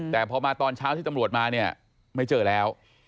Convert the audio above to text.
แต่พอมาตอนเช้าที่ตำรวจมาเนี่ยไม่เจอแล้ว